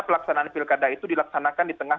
pelaksanaan pilkada itu dilaksanakan di tengah